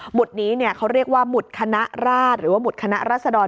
ดนี้เขาเรียกว่าหมุดคณะราชหรือว่าหุดคณะรัศดร